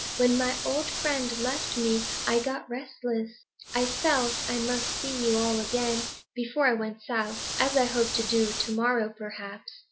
When my old friend left me, I got restless; I felt I must see you all again before I went south, as I hope to do to morrow, perhaps.